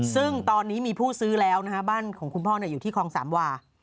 ซึ่งตอนนี้มีผู้ซื้อแล้วนะฮะบ้านของคุณพ่ออยู่ที่คลองสามวา